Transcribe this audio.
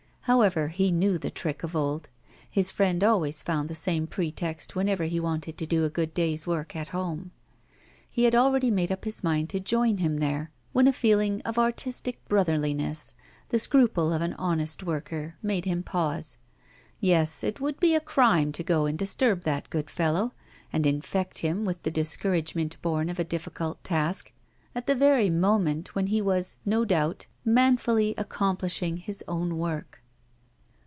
However, he knew the trick of old. His friend always found the same pretext whenever he wanted to do a good day's work at home. He had already made up his mind to join him there, when a feeling of artistic brotherliness, the scruple of an honest worker, made him pause; yes, it would be a crime to go and disturb that good fellow, and infect him with the discouragement born of a difficult task, at the very moment when he was, no doubt, manfully accomplishing his own work.